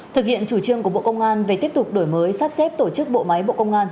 thực hiện chủ trương của bộ công an về tiếp tục đổi mới sắp xếp tổ chức bộ máy bộ công an